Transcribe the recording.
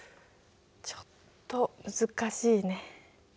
ちょっと難しいね。